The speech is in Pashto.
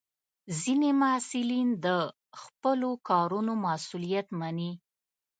ځینې محصلین د خپلو کارونو مسؤلیت مني.